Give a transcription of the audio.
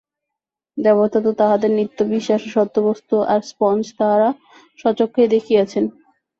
দেবতা তো তাঁহাদের নিত্য-বিশ্বাস্য সত্যবস্তু, আর স্পঞ্জ তাঁহারা স্বচক্ষেই দেখিয়াছেন।